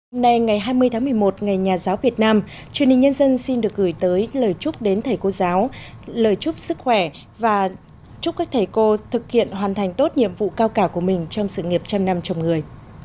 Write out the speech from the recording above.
hôm nay ngày hai mươi tháng một mươi một ngày nhà giáo việt nam truyền hình nhân dân xin được gửi tới lời chúc đến thầy cô giáo lời chúc sức khỏe và chúc các thầy cô thực hiện hoàn thành tốt nhiệm vụ cao cả của mình trong sự nghiệp trăm năm chồng người